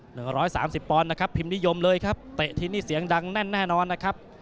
หนึ่งร้อยสามสิบปอนด์นะครับพิมพ์นิยมเลยครับเตะทีนี้เสียงดังแน่นแน่นอนนะครับ